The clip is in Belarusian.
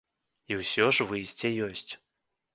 І ўсё ж выйсце ёсць.